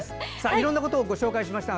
いろんなことをご紹介しましたが